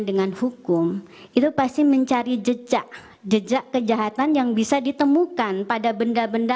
dengan hukum itu pasti mencari jejak jejak kejahatan yang bisa ditemukan pada benda benda